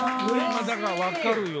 だから分かるよ。